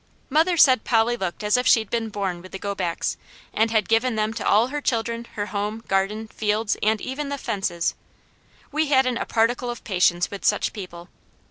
Mother said Polly looked as if she'd been born with the "go backs," and had given them to all her children, her home, garden, fields, and even the FENCES. We hadn't a particle of patience with such people.